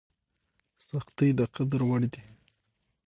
سختۍ د قدر وړ دي.